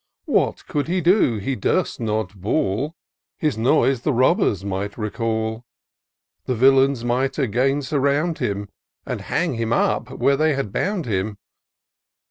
What could he do ?— ^he durst not bawl ; His noise the robbers might recall ; The villains might again surround him. And hang him up where they had bound him.